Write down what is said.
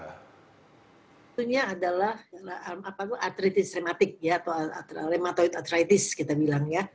itu adalah arthritis reumatik atau rheumatoid arthritis kita bilang ya